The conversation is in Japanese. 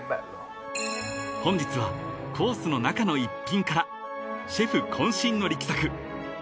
［本日はコースの中の一品からシェフ渾身の力作］